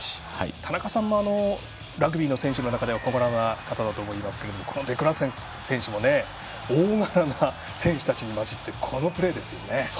田中さんもラグビーの選手の中では小柄な方かと思いますがこのデクラーク選手も大柄な選手たちに交じってこのプレーですよね。